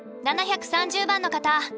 ７３０番の方。